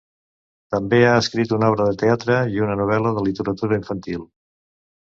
També ha escrit una obra de teatre i una novel·la de literatura infantil.